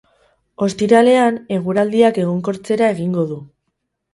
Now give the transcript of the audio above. Ostiralean, eguraldiak egonkortzera egingo du.